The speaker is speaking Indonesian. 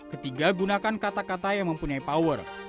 ketiga gunakan kata kata yang mempunyai power